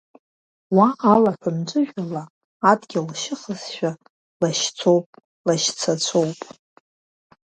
Уа алаҳәа мҵәыжәҩала адгьыл ршьыхызшәа, лашьцоуп, лашьцацәоуп.